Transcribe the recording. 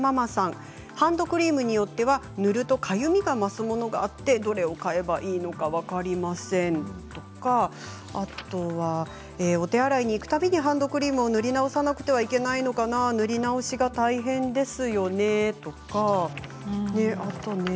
ハンドクリームによっては塗るとかゆみが増すものがあってどれを買えばいいのか分かりませんとかお手洗いに行くたびにハンドクリームを塗り直さなくてはいけないのかなとか塗り直しが大変ですよね、とか。